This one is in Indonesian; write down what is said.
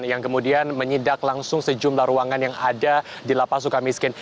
yang kemudian menyidak langsung sejumlah ruangan yang ada di lapas suka miskin